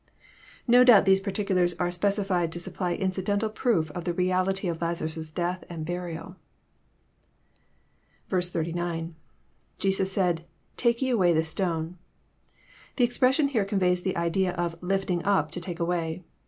No doubt these particulars are specified to supply incidental proof of the reality of Lazarus' death and burial. 89. — lJe8U8 said. Take ye away the stoneJ] The expression here conveys the idea of '* llfbing up " to take away.